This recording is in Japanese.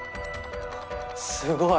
すごい！